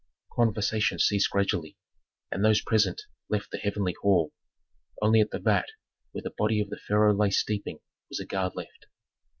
Conversation ceased gradually, and those present left the heavenly hall. Only at the vat where the body of the pharaoh lay steeping was a guard left.